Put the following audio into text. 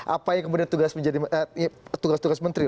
apa yang kemudian tugas menjadi tugas tugas menteri